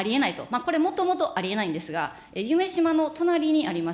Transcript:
これ、もともと、ありえないんですが、夢洲の隣にあります